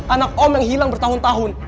anak om yang hilang bertahun tahun